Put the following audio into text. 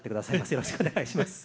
よろしくお願いします。